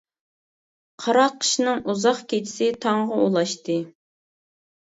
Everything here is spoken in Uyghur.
قارا قىشنىڭ ئۇزاق كېچىسى تاڭغا ئۇلاشتى.